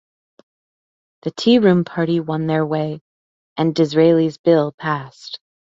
The Tea-Room party won their way, and Disraeli's Bill passed.